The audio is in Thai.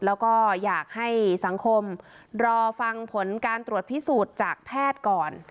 แล้วก็อยากให้สังคมรอฟังผลการตรวจพิสูจน์จากแพทย์ก่อน